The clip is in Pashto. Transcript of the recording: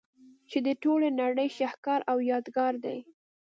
چي د ټولي نړۍ شهکار او يادګار دئ.